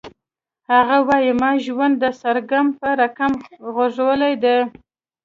هغه وایی ما ژوند د سرګم په رقم غږولی دی